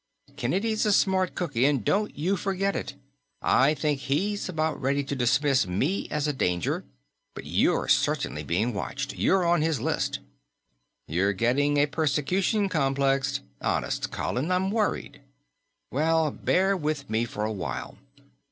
"Kennedy's a smart cookie, and don't you forget it. I think he's about ready to dismiss me as a danger, but you're certainly being watched; you're on his list." "You're getting a persecution complex. Honest, Colin, I'm worried." "Well, bear with me for a while.